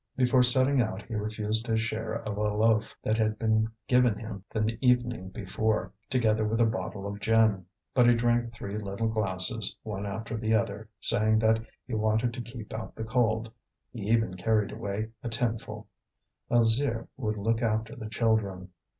Before setting out he refused his share of a loaf that had been given him the evening before, together with a bottle of gin; but he drank three little glasses, one after the other, saying that he wanted to keep out the cold; he even carried away a tinful. Alzire would look after the children.